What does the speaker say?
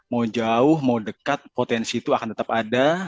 mau jauh mau dekat potensi itu akan tetap ada